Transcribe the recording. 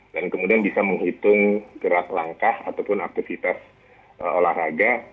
dan kemudian bisa menghitung gerak langkah ataupun aktivitas olahraga